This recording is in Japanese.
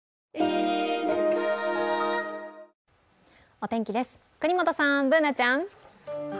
お天気です、國本さん、Ｂｏｏｎａちゃん。